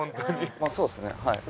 まあそうっすねはい。